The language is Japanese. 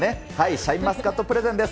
シャインマスカットプレゼンです。